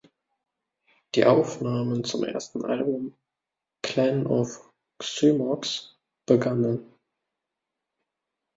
Die Aufnahmen zum ersten Album "Clan of Xymox" begannen.